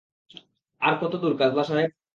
আর কত দূর কাজলা সাহেব?